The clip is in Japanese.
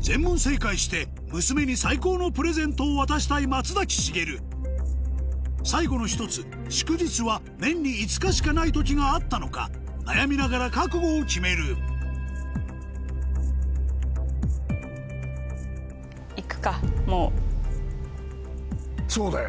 全問正解して娘に最高のプレゼントを渡したい松崎しげる最後の１つ祝日は年に５日しかない時があったのか悩みながら覚悟を決めるそうだよ。